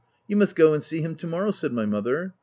" You must go and see him to morrow," said my mother.